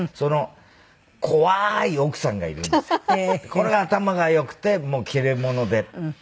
これが頭が良くてもう切れ者で。